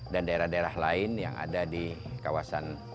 dan daerah daerah lain yang ada di kawasan